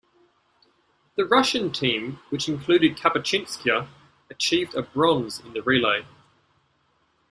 The Russian team which included Kapachinskaya achieved a bronze in the relay.